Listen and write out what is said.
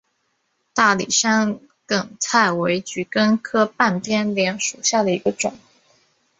大理山梗菜为桔梗科半边莲属下的一个种。